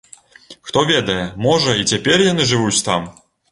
Хто ведае, можа, і цяпер яны жывуць там?